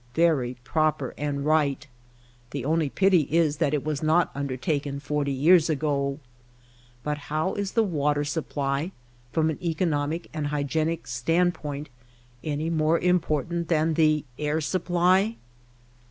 Very proper and right. The only pity is that it was not undertaken forty years ago. But how is the water supply, from an economic and hygienic stand point, any more important than the air supply